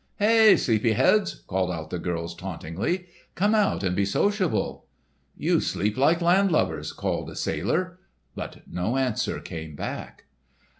"Hey, sleepy heads!" called out the girls tauntingly. "Come out and be sociable!" "You sleep like land lubbers!" called a sailor. But no answer came back.